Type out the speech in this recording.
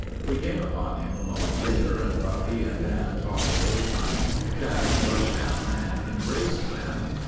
We came upon him a moment later and while he and Dan talked of old times Jack rushed down and embraced Lem.